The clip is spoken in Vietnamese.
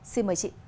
xin mời chị